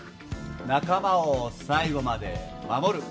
仲間を最後まで守る。